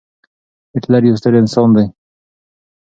هېټلر يو ستر انسان دی.